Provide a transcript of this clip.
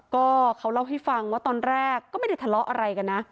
ก็เขาเล่าให้ฟังว่าตอนแรกก็ไม่ได้ทะเลาะอะไรกันนะ